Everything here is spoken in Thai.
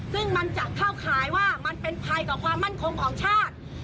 ซึ่งมันจะเข้าข่ายว่ามันเป็นภัยต่อความมั่นคงของชาติ